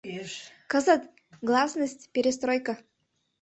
Кызыт — гласность, перестройко.